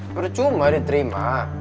udah cuma diterima